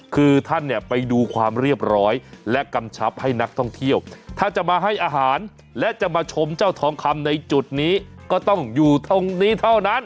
คือท่านเนี่ยไปดูความเรียบร้อยและกำชับให้นักท่องเที่ยวถ้าจะมาให้อาหารและจะมาชมเจ้าทองคำในจุดนี้ก็ต้องอยู่ตรงนี้เท่านั้น